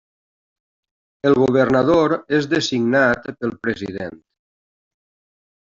El governador és designat pel president.